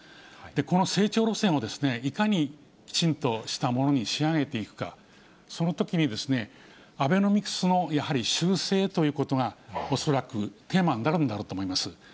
この成長路線をいかにきちんとしたものに仕上げていくか、そのときにアベノミクスのやはり修正ということが、恐らくテーマになるんだろうと思います。